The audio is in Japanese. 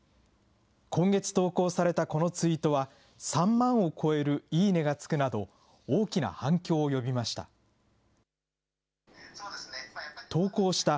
今月投稿されたこのツイートは、３万を超えるいいねがつくなど、大きな反響を呼びました。